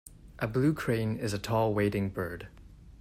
A blue crane is a tall wading bird.